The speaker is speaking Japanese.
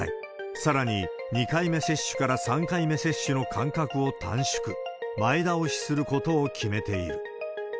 さらに、２回目接種から３回目接種の間隔を短縮、前倒しすることを決めている。